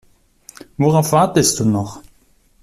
Worauf wartest du noch?